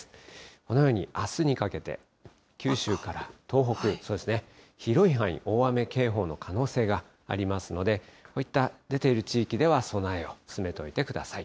このようにあすにかけて、九州から東北、広い範囲、大雨警報の可能性がありますので、こういった出ている地域では、備えを進めておいてください。